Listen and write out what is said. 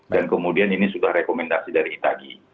dan kemudian ini sudah rekomendasi dari itagi